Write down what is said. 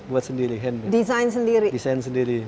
buat sendiri design sendiri design sendiri